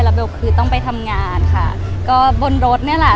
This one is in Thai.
เบลคือต้องไปทำงานค่ะก็บนรถนี่แหละ